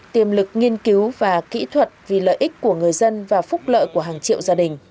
tiềm lực nghiên cứu và kỹ thuật vì lợi ích của người dân và phúc lợi của hàng triệu gia đình